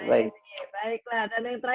ini pidatonya fresh ya